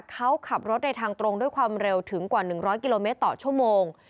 เขาขับรถในทางตรงด้วยความเร็วถึงกว่า๑๐๐กิโลเมตรต่อชั่วโมง